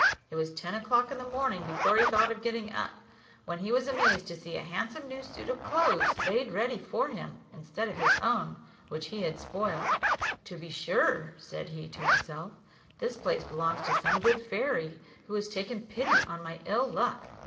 It was ten o'clock in the morning before he thought of getting up, when he was amazed to see a handsome new suit of clothes laid ready for him, instead of his own, which he had spoiled. "To be sure," said he to himself, "this place belongs to some good fairy, who has taken pity on my ill luck."